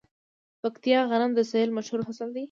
د پکتیکا غنم د سویل مشهور فصل دی.